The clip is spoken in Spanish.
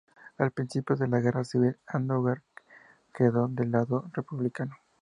Al principio de la Guerra Civil, Andújar quedó del lado republicano.